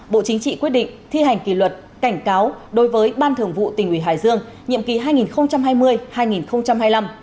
bộ chính trị quyết định thi hành kỷ luật cảnh cáo đối với ban thường vụ tỉnh ủy hải dương nhiệm kỳ hai nghìn hai mươi hai nghìn hai mươi năm